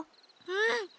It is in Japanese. うん！